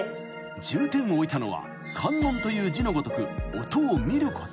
［重点を置いたのは観音という字のごとく音を観ること］